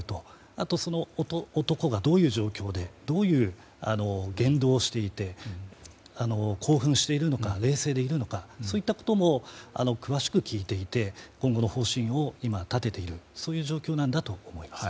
あと、男がどういう状況でどういう言動をしていて興奮しているのか冷静でいるのかそういったことも詳しく聞いていて今後の方針を立てている状況なんだと思います。